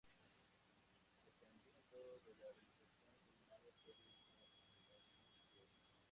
Dependiendo de la realización culinaria puede ir con o sin piel.